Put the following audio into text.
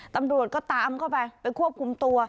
ตำรวจก็ตามเข้าไปไปควบคุมตัว